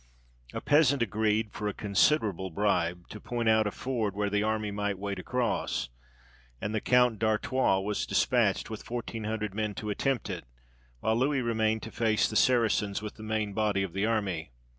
A peasant agreed, for a considerable bribe, to point out a ford where the army might wade across, and the Count d'Artois was despatched with fourteen hundred men to attempt it, while Louis remained to face the Saracens with the main body of the army.